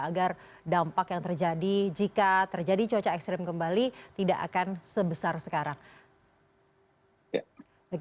agar dampak yang terjadi jika terjadi cuaca ekstrim kembali tidak akan sebesar sekarang